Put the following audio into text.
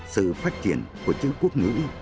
sự phát triển của chữ quốc ngữ